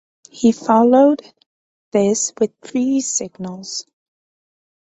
He followed this with three singles.